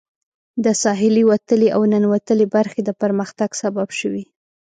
د ساحلي وتلې او ننوتلې برخې د پرمختګ سبب شوي.